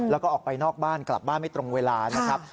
แล้วก็ออกไปนอกบ้านกลับบ้านไม่ตรงเวลานะครับ